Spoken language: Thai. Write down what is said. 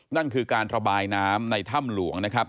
นั่นคือการระบายน้ำในถ้ำหลวง